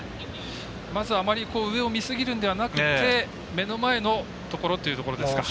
まず、あまり上を見すぎるんではなくて目の前のところということですか。